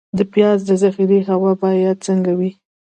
د پیاز د ذخیرې هوا باید څنګه وي؟